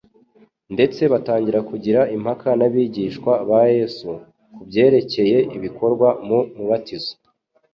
Ndetse batangira kugira impaka n'abigishwa ba Yesu ku byerekcye ibikorwa mu mubatizo,